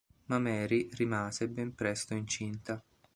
Ma Marie rimase ben presto incinta.